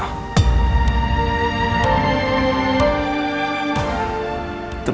dan kamu gak pernah jujur